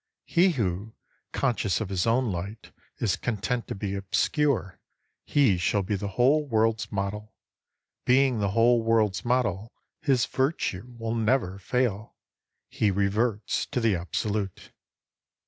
He who, conscious of his own light, is content to be obscure, — he shall be the whole world's model. Being the whole world's model, his Virtue will never fail. He reverts to the Absolute.